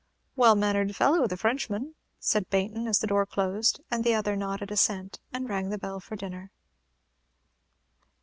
"Well mannered fellow, the Frenchman," said Baynton, as the door closed; and the other nodded assent, and rang the bell for dinner.